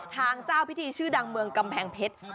ทางเจ้าพิธีชื่อดังเมืองกำแพงเพชร